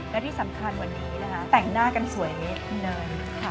และที่สำคัญวันนี้นะคะแต่งหน้ากันสวยเนินค่ะ